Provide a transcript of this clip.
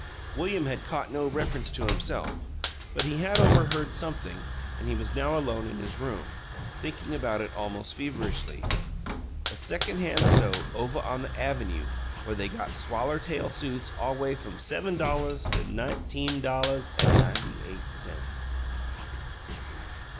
William had caught no reference to himself, but he had overheard something and he was now alone in his room, thinking about it almost feverishly. "A secon' han' sto' ovuh on the avynoo, where they got swaller tail suits all way f'um sevum dolluhs to nineteem dolluhs an' ninety eight cents."